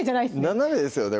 斜めですよね